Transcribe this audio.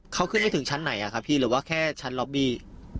เขาขึ้นไม่ถึงชั้นไหนอะครับพี่หรือว่าแค่ชั้นล็อบบี้